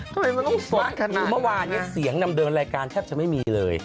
ทำไมมันต้องสดขนาดนี้นะมารคอยู่เมื่อวานเสียงดำเดิมรายการแทบจะไม่มีเลย